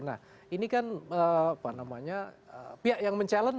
nah ini kan pihak yang men challenge